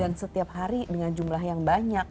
dan setiap hari dengan jumlah yang banyak